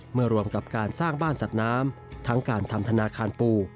รวมกับการสร้างบ้านสัตว์น้ำทั้งการทำธนาคารปู